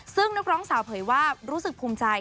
ซึ่งนักร้องสาวเผยว่ารู้สึกภูมิใจ